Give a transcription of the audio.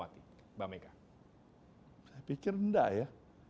saya pikir tidak ya